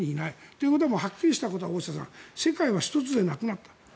ということははっきりしたことは世界は一つじゃなくなった。